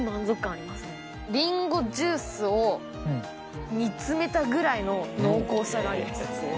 りんごジュースを煮詰めたぐらいの濃厚さがあります。